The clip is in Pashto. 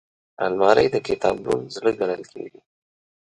الماري د کتابتون زړه ګڼل کېږي